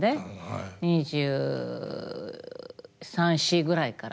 ２３２４ぐらいから。